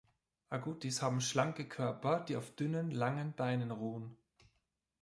Agutis haben schlanke Körper, die auf dünnen, langen Beinen ruhen.